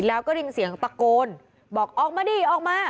แล้วก็ได้ยินเสียงตะโกนบอกออกมาดิออกมา